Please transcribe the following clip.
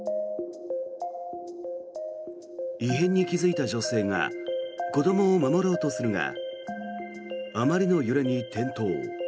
異変に気付いた女性が子どもを守ろうとするがあまりの揺れに転倒。